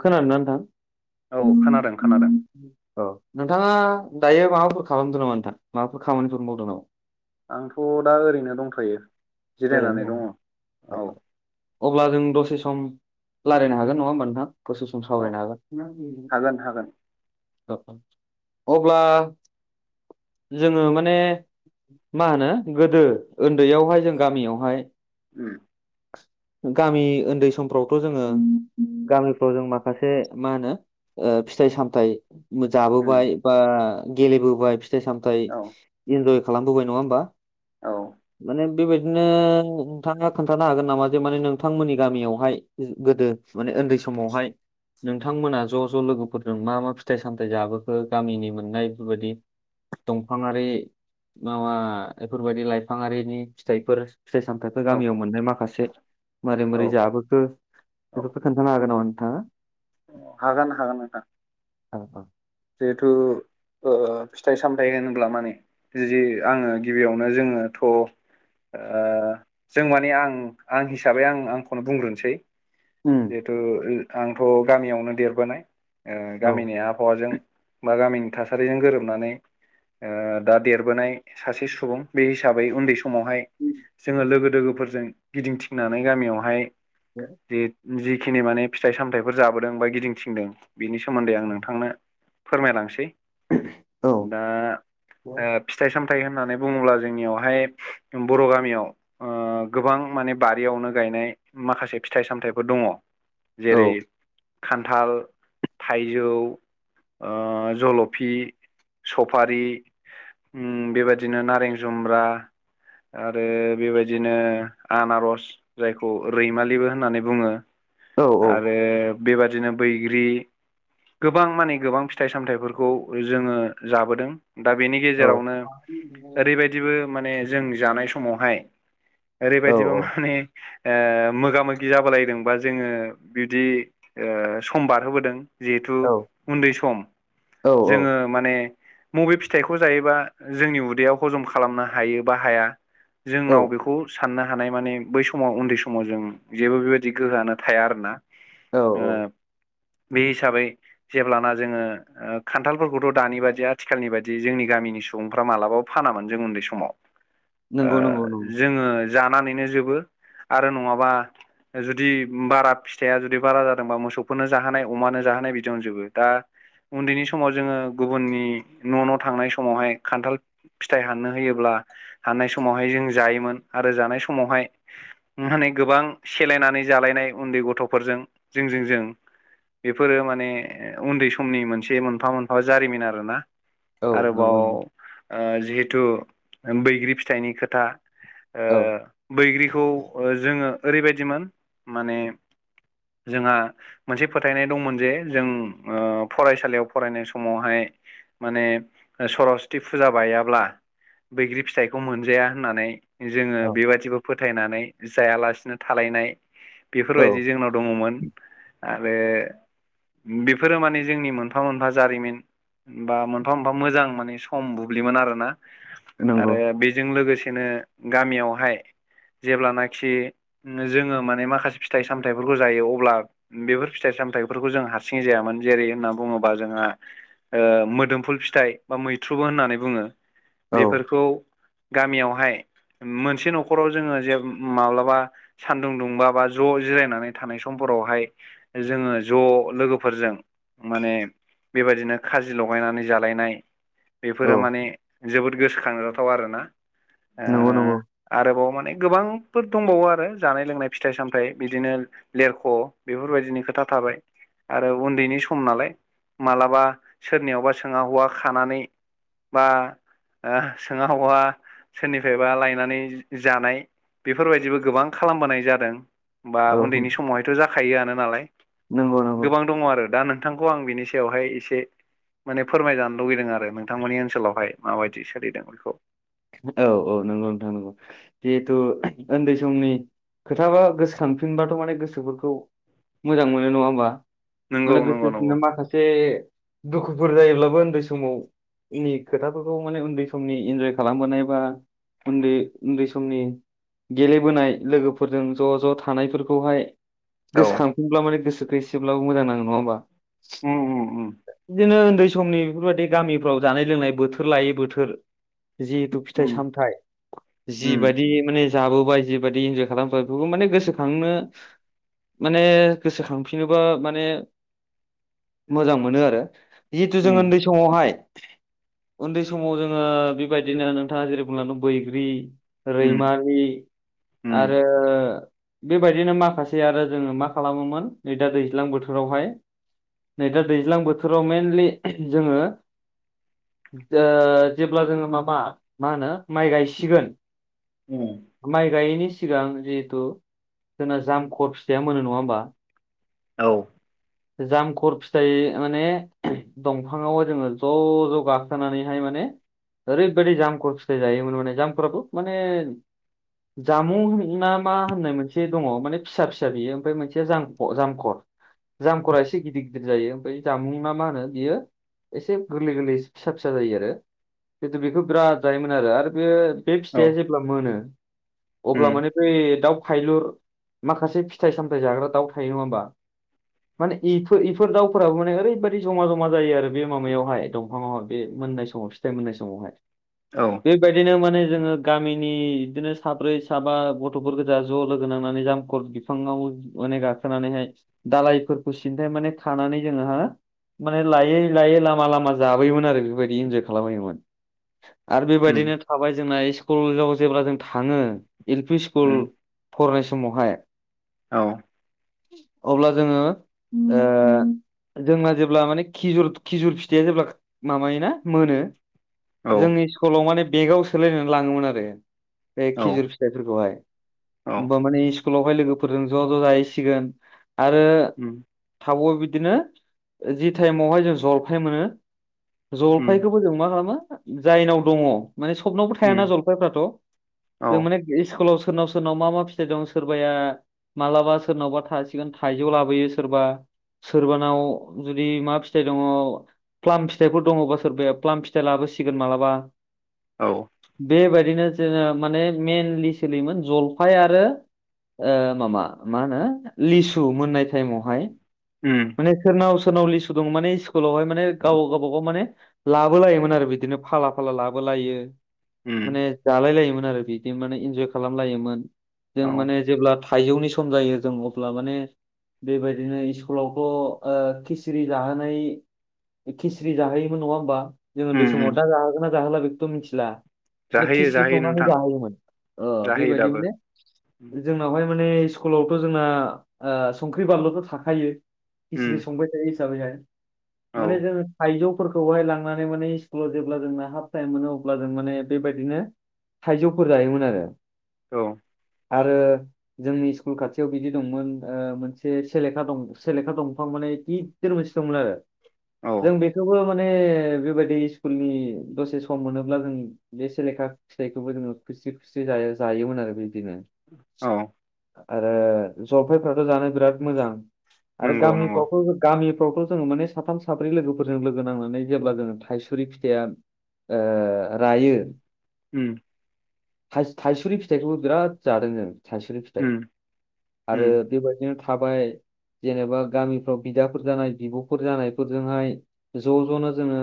खोनादोंना नोंथां औ खोनादों खोनादों औ नोंथाङा दायो माबाफोर खालामदों नामा नोंथां माबाफोर खामानिफोर मावदों नामा आंथ' दा ओरैनो दंखायो जिरायनानै ओरैनो दङ औ अब्ला जों दसे सम रायलायनो हागोन नङा होमबा नोंथां दसे सम औ सावरायनो हागोन हागोन हागोन औ औ अब्ला जोङो माने मा होनो गोदो ओन्दैयावहाय जों गामियावहाय उम गामि उन्दै समफ्रावथ' जोङो गामिफ्राव जों माखासे मा होनो ओ फिथाइ सामथाइ उम जाबोबाय बा गेलेबोबाय फिथाइ सामथाय औ इन्जय खालामबोबाय नङा होमबा औ माने बेबायदिनो नोंथाङा खोन्थानो हागोन नामा जे माने नोंथांमोननि गामियावहाय गोदो माने उन्दै समावहाय नोंथांमोना ज' ज' लोगोफोरजों मा मा फिथाइ सामथाइ जाबोखो गामिनि मोननाय बेफोरबायदि दंफाङारि माबा बेफोरबायदि लाइफाङारिनि फिथाइफोर फिथाइ सामथाइफोर औ गामियाव मोननाय माखासे मारै मारै औ जाबोखो बेफोरखौ औ खोन्थानो हागोन नामा नोंथाङा हागोन हागोन नोंथां औ औ जेथु ओ फिथाइ सामथायाइ होनोब्ला माने बिदि आङो गिबियावनो जोङो थ' ओ जों माने आं आं हिसाबै आं आंखौनो बुंग्रोनोसै उम ओ जिथु आंथ' गामियावनो देरबोनाय ओ औ गामिनि आबहावाजों बा गामिनि थासारिजों गोरोबनानै ओ दा देरबोनाय सासे सुबुं बे हिसाबै उन्दै समावहाय जोङो लोगो दोगफोरजों गिदिंथिंनानै गामियावहाय [inaudible] जि जिखिनि माने फिथाइ सामथाइफोर जाबोदों बा गिदिंथिंदों बिनि सोमोन्दै आं नोंथांनो फोरमायलांसै औ दा ओ फिथाइ सामथ फिथाइ होननानै बुङोब्ला जोंनियावहाय बर' गामियाव गोबां माने बारियावनो गायनाय माखासे फिथाइ सामथाइफोर दङ जेरै औ खान्थाल थाइजौ जल'फि सफारि बेबायदिनो नारें जुम्ब्रा आरो बेबायदिनो आनारस जायखौ रैमालिबो होननानै बुङो औ आरो बेबादिनो बैग्रि गोबां माने गोबां फिथाइ सामथाइफोरखौ जोङो जाबोदों दा बेनि गेजेरावनो ओरैबायदिबो माने जों जानाय समावहाय औ ओरैबायदिबा माने ओ मोगा मोगि जाबालायदोंबा जोङो बिदि ओ सम बारहोबोदों जिहेथु उन्दै सम औ औ जोङो माने मबे फिथाइखौ जायोबा जोंनि उदैयाव हजम खालामनो हायो बा हाया औ जोंनाव बेखौ साननो हानाय माने बै समाव उन्दै समाव जों जेबो बेबायदि गोहोआनो थाया आरो ना औ ओ बे हिसाबै जेब्लाना जोङो ओ खान्थालफोरखौथ' दानि बादि आथिखालनि बायदि जोंनि गामिनि सुबुंफ्रा मालाबाबो फानामोन जों उन्दै समाव ओ नंगौ नंगौ नंगौ जोङो जानानैनो जोबो आरो नङाबा जुदि बारा फिथाया जुदि बारा जादोंबा मोसौफोरनो जाहोनाय अमानो जाहोनाय बिदियावनो जोबो दा उन्दैनि समाव जोङो गुबुननि न' न' थांनाय समावहाय खान्थाल फिथाइ हाननो होयोब्ला हाननाय समावहाय जों जायोमोन आरो जानाय समावहाय माने गोबां सेलायनानै जालायनाय उन्दै गथ'फोरजों जों जों बेफोरो माने उन्दै समनि मोनसे मोनसे मोनफा मोनफा जारिमिन आरो ना औ आरोबाव नंगौ नंगौ ओ जिहेथु बैग्रि फिथाइनि खोथा औ बैग्रिखौ जोङो ओरैबायदिमोन माने जोंहा मोनसे फोथायनाय दंमोन जे जों ओ फरायसा सालियाव फरायनाय समावहाय माने सरस्वति फुजा बायाब्ला बैग्रि फिथाइखौ मोनजाया होननानै जोङो औ बेबादिबो फोथायनानै जायालासिनो थालायनाय औ बेफोरबायदि जोंनाव दङमोन आरो बेफोरो माने जोंनि मोन मोनफा मोनफा जारिमिन बा मोनफा मोनफा मोजां माने सम बुब्लिमोन आरोना नंगौ आरो बेजों लोगोसेनो गामियावहाय जेब्लानाखि जोङो माने माखासे फिथाइ सामथाइफोरखौ जायो अब्ला बेफोर फिथाइ सामथायफोरखौ जों हारसिङै जायामोन जेरै होन्ना बुङो बा जोंहा मोदोमफुल फिथाइ बा मैथ्रुबो होननानै बुङो औ बेफोरखौ गामियावहाय मोनसे न'खराव जोङो जे माब्लाबा सानदुं दुंबा बा ज' जिरायनानै थानाय समफोरावहाय जोङो ज' लोगोफोरजों माने बेबायदिनो खाजि लगायनानै जालायनाय औ बेफोरो माने जोबोद गोसोखांजाथाव आरोना ओ नंगौ नंगौ आरोबाव माने गोबांफोर दंबावो आरो जानाय लोंनाय फिथाइ सामथाइ बिदिनो लेरख' बेफोरबायदिनि खोथा थाबाय आरो उन्दैनि सम नालाय मालाबा सोरनियावबा सोङा हवा खानानै बा सोङा हवा सोरनिफ्रायबा लायनानै जानाय बेफोरबायदिबो गोबां खालामबोनाय जादों बा औ उन्दैनि समावहायथ' जाखायोआनो नालाय नंगौ नंगौ गोबां दङ आरो दा नोंथांखौ आं बिनि यावहाय एसे माने फोरमायजानो लुुबैदों आरो नोंथांमोननि ओनसोलावहाय माबायदि सोलिदों बेखौ औ औ नंगौ नोंथां नंगौ जिहेथु उन्दै समनि खोथाबा गोसोखानफिनबाथ' माने गोसोफोरखौ मोजां मोनो नङा होमबा नंगौ माने नंगौ गोसो नंगौ खांनो माखासे दुखुफोर जायोब्लाबो उन्दै समावनि खोथाफोरखौ माने उन्दै समनि इन्जय खालामबोनाय बा उन्दै उन्दै समनि गेलेबोनाय लोगोफोरजों ज' ज' थानायफोरखौहाय औ गोसोखांफिनब्ला माने गोसोखौ एसेब्लाबो मोजां नाङो नङा होमबा उम उम बिदिनो उन्दै समनि बेफोरबायदि गामिफ्राव जानाय लोंनाय बोथोर लायै बोथोर जिहेथु फिथाइ उम सामथाइ उम जिबायदि माने जाबोबाय जिबायदि इन्जय खालामबाय बेफोरखौ माने गोसोखांनो माने गोसोखांफिनोबा माने मोजां मोनो आरो जिहेथु जों उम उन्दै समावहाय उन्दै समाव जोङो बेबायदिनो नोंथाङा जेरै बुंलांदों बैग्रि उम रैमारि उम आरो बेबायदिनो माखासे आरो जोङो मा खालामोमोन नै दा दैज्लां बोथोरावहाय नै दा दैज्लां बोथोराव मेनलि जोङो ओ जेब्ला जोङो माबा मा होनो माइ गायसिगोन [unintelligible] माइ गायैनि सिगां जिहेथु जोंना जामखर फिथाइया मोनो नङा होमबा औ जामखर फिथाइ माने दंफाङावहाय जोङो ज ज गाखोनानैहाय माने ओरैबायाददि जाम्प फिथायाइ जायोमोन माने जाम्फथ माने जामुं ना मा होननाय मोनसे दङ माने फिसा फिसा बियो ओमफ्राय मोनसे जामख जामखर जाम खरा एसे गिदिर गिदिर जायो ओमफ्राय जामुं ना मा होनो बियो एसे गोरलै गोरलै फिसा फिसा जायो आरो खिन्थु बेखौ बिराद जायोमोन आरो आरो बे बे औ फिथाइया जेब्ला मोनो अब्ला उम माने बै दाउ फायलुर माखासे फिथाइ सामथायाइ जाग्रा दाउ थायो नङा होमबा माने इफोर इफोर दाउफोराबो माने ओरैबायदि जमा जमा जायो आरो बे माबायावहाय दंफाङावा बे मोननाय सम समाव फिथाय मोननाय समावहाय औ बेबायदिनो माने जोङो गामिनि बिदिनो साब्रै साबा गथफोर गोजा ज' लोगो नांनानै जामखर बिफाङाव माने गाखोनानैहाय दालायफोरखौ सिन्थाय माने थानानै जोङो हा माने लायै लायै लामा लामा जाबोयोमोन आरो बेफोरबायदि इन्जय खालामबोयोमोन आरो उम बेबायदिनो थाबाय जोंना स्कुलेजाव जेब्ला जों थाङो एल पि स्कुल उम फरायनाय समावहाय औ अब्ला जोङो जोंना जेब्ला माने खिजुर खिजुर फिथाइया जेब्ला माबायोना मोनो औ जोंनि स्कुलाव माने बेगाव सोलायनानै लाङोमोन आरो बे औ खिजुर फिथाइफोरखौहाय औ ओमबा माने स्कुलावहाय लोगोफोरजों ज ज जाहैसिगोन आरो उम थाबावो बिदिनो जि टाइमावहाय जों जलफाय मोनो उम जलफायखौ जों मा खालामो जायनाव दङ माने सबनावबो थायाना उम जलफायफ्राथ औ जों माने स्कुलाव सोरनाव सोरनाव मा मा फिथाइ दं सोरबाया मालाबा सोरनावबा थासिगोन थाइजौ लाबोयो सोरबा सोरबानाव जुदि मा फिथाइ दङ प्लाम फिथाइफोर दङबा सोर बे प्लाम फिथाइ लाबोसिगोन मालाबा औ बेबायदिनो जोङो माने मेनलि सोलियोमोन जलफाय आरो ओ मामा मा होनो लिसु मोननाय टाइमावहाय उम माने सोरनाव सोरनाव लिसु दं माने स्कुलावहाय माने गाव गावबागाव माने लाबो लायोमोन आरो बिदिनो फाला फाला लाबोलायो उम माने जालायलायोमोन आरो बिदि माने इन्जय खालामलायोमोन औ जों माने जेब्ला थाइजौनि सम जायो जों अब्ला माने बेबायदिनो स्कुलावथ ओ खिस्रिर जाहोनाय खिसि जाहोयोमोन नङा होमबा जोङ उन्द उम समाव उम दा जाहोगोन ना जाहोला बेखौथ' मिथिला जाहैयो थ संनानै जाहोायोमोन बेबायदि दाबो माने जोंनावहाय माने स्कुलावथ' जोंना संख्रि बानलुथ' थाखायो खिस्रि उम संबाय थायो हिसाबैहाय औ माने जोङो थाइजौ फोरखौहाय लांनानै माने स्कुलाव जेब्ला जोंना हाफ टाइम मोनो अब्ला जों माने बेबायदिनो थाइजौफोर जायोमोन आरो औ आरो जोंनि स्कुल खाथियाव बिदि दंमोन मोनसे सेले दं सेलेखा दंफां माने ि स मोनसे दंमोन आरो औ जों बेखौबो माने बेबायदि स्कुलनि दसे सम मोनोब्ला जों बे सेलेखा फिथाइखौबो जनोङो खुसि खुसि ज जायोमोन आरो बिदिनो औ आरो जफ्राथ' जानो बिराद मोजां आरो नंगौ नंगौ गामिफ्रावथ गामिफ्रावथ' जोङो माने साथाम साब्रै लोगोफोरजों लोगो नांनानै जेब्ला जोङो थाइसुरि फिथाइया ओ रायो उओम थाइसुरि फिथाइखौबो बिराद जादों जों थाइसुरि फिथाइ उम आरो उम बेबायदिनो थाबाय जेनेबा गामिफ्राव बिदाफोर जानाय बिब'फोर जानायफोरजोंहाय ज' ज'नो जोङो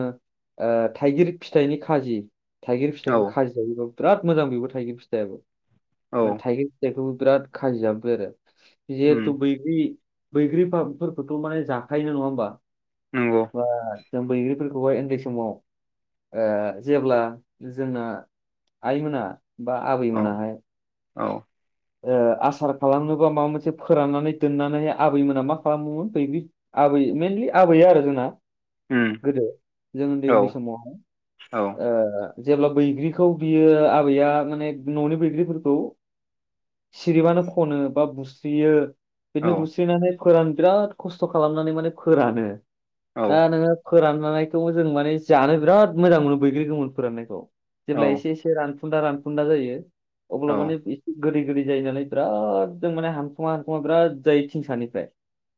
ओ थाइगिर फिथाइनि खाजि थाइगिर औ फिथाइखो खाजि जायोबो बिराद मोजां बेबो थाइगिर फिथाइआो -म औ थाइगिर फिथाइखौबो बिराद खाजियाबबो आरो उम जिहेथु बै बै बैग्रिफोरखौथ' माने जाखायोोन नङा होमबा नंगौ बा जों बैग्रिफोरखौहाय उन्दै समाव ओ जेब्ला जोंना आइमोना बा औ आबैमोनाहाय औ आसार खालामनोबा माबा मोनसे फोराननानै दोननानै आबैमोना मा खालामोमोन बैग्रि आबै मेनलि आबैया आरो जोंना उम गोदो जों उन्दै औ उन्दै समावहाय औ ओ जेब्ला बैग्रिखौ बियो आबैया माने न'नि बैग्रिफोरखौ [inaudible] सिरिबानो खनो बा बुस्रियो औ बिदिनो बुस्रिनानै फोरा बिराद खस्थ' खालामनानै माने फोरानो। दा औ नोङो फोराननायखौ जों माने जानो बिराद मोजां मोनो बैग्रि गोमोन फोराननायखौ‌। जेब्ला औ एसे से एसे रानफुन्दा रानफुन्दा जायो औ अब्ला मान एसे गोदै गोदै जायोनालाय बिराद जों माने हानखुमा हानखुमा बिराद जायो थिंसानिफ्राय।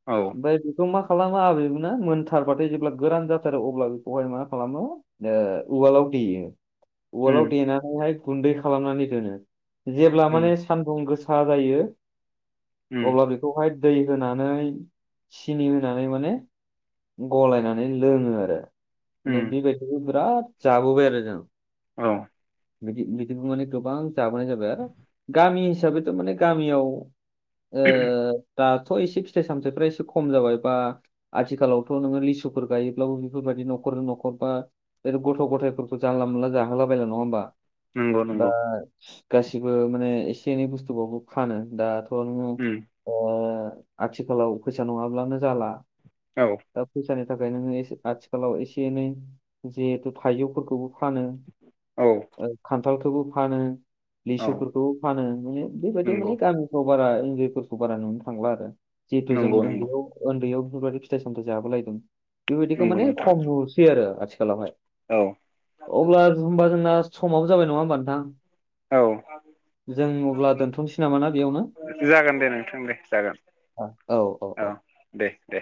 औ। ओमफ्राय बेखौ मा खालामोना आबैमोना मोनथारबाथाय जेब्ला गोरान जाथारो अब्ला बेखौहाय मा खालामो ओ उवालाव देयो उआलाव उम देनानैहाय गुन्दै खालामनानै दोनो जेब्ला उम माने- सान्दुं गोसा जायो उम अब्ला बे- बेहाय दै होनानै सिनि होनानै माने गलायनानै मे लोङो आरो उम माने बेबायदिखौ बिराद जाबोबाय आरो जों औ बिदि बिदिनो गोबां जाबोनाय जाबाय आरो गामि हिसाबैथ' माने गामियाव ओ दाथ' एसे फिथाइ सामथायाइफ्रा एसे खम जाबाय बा आथिखालावथ' नोङो लिसु फोर गायोब्लाबो बेफोरबायदि न'खर न'खर बा ओरै गथ' गथायफोरखौ जानला मोनला जाहोलाबायला नङा होमबा? नंगौ दा नंगौ गासिबो माने एसे एनै बुस्थुबाबो फानो। दा उम [unintelligible] ओ आथिखालाव फैसा नङाब्लानो जाला औ। दा फैसानि थाखाय नोङो एसे आथिखालाव एसे एनै जिहेथु थाइजौफोरखौबो फानो। औ। ओ खान्थालखौबो फानो औ लिसुफोरखौबो फानो माने बेबायदि माने नंगौ गामि खौ बारा उन्दैफोरखौ बारा नुनो थांला आरो जिहेथु जों नंगौ नंगौ उन्दैयाव उन्दैयाव बिफोरबादि फिथाइ सामथाइ जाबोलायदों। बेबायदिखौ नंगौ माने खम नुसै आरो आथिखालावहाय। औ‌ अब्ला होमबा जोंना समाबो जाबाय नङा होमबा नोंथां। औ। जों अब्ला दोनथ'नोसै नामा ना बेयावनो [inaudible] जागोन दे नोंथां दे जागोन। औ औ औ। दे दे।